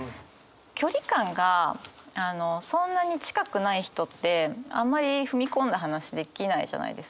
距離感がそんなに近くない人ってあんまり踏み込んだ話できないじゃないですか。